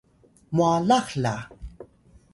mwalax la!